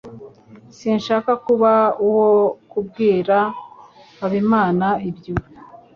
Sinshaka kuba uwo kubwira Habimana ibyo.